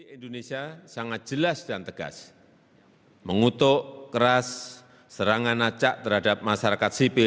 indonesia sangat jelas dan tegas mengutuk keras serangan acak terhadap masyarakat sipil